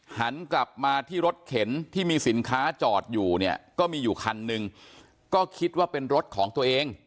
หันกลับมาที่รถเข็นที่มีสินค้าจอดอยู่เนี่ยก็มีอยู่คันหนึ่งก็คิดว่าเป็นรถของตัวเอง